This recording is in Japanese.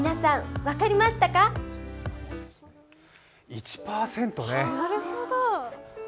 １％ね。